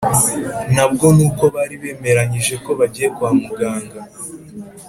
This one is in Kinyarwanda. na bwo ni uko bari bemeranyije ko bagiye kwa muganga